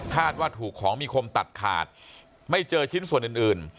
ว่าถูกของมีคมตัดขาดไม่เจอชิ้นส่วนอื่น